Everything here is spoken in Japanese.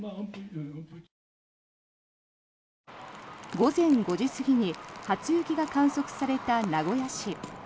午前５時過ぎに初雪が観測された名古屋市。